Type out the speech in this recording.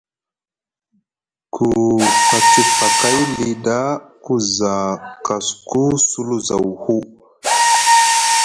Ku pati paakay li da ku za kosku sulu zaw hu,